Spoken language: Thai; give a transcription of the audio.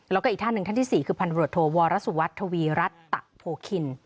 แล้วก็อีกท่านหนึ่งท่านที่๔คือพันธุรกิจโทวรสุวัสดิทวีรัตตะโพคิน